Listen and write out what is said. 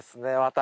私